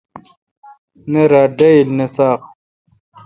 نہ رات ڈاییل نہ ساق۔